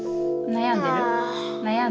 悩んでる？